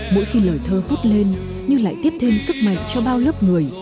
mỗi khi lời thơ phút lên như lại tiếp thêm sức mạnh cho bao lớp người